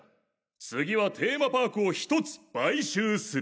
次はテーマパークを１つ買収する！